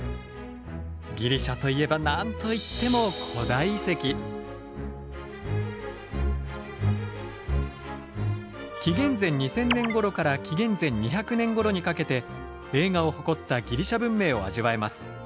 ギリシャといえば何と言っても紀元前２０００年ごろから紀元前２００年ごろにかけて栄華を誇ったギリシャ文明を味わえます。